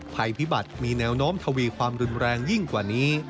ภัยพิบัตรมีแนวโน้มทวีความรุนแรงยิ่งกว่านี้